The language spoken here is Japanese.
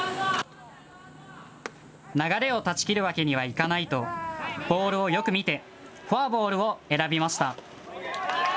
流れを断ち切るわけにはいかないと、ボールをよく見てフォアボールを選びました。